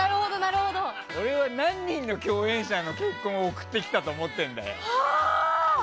俺は、何人の共演者の結婚を送ってきたと思うんだよ。